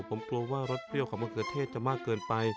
ผมกลัวว่ารสเปรี้ยวของมะเขือเทศจะมากเกินไป